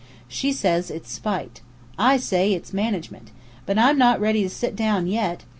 She says it's spite. I say its management. But I'm not ready to sit down yet!